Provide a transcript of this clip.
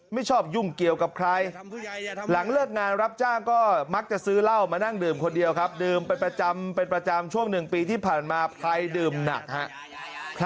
ไม่ชอบยุ่งเกี่ยวกับใครหลังเลิกงานรับจ้างก็มักจะซื้อเหล้ามานั่งดื่มคนเดียวครับดื่มเป็นประจำเป็นประจำช่วง๑ปีที่ผ่านมาใครดื่มหนักครับ